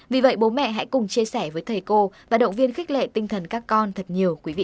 vì vậy bố mẹ hãy cùng chia sẻ với thầy cô và động viên khích lệ tinh thần các con thật nhiều quý vị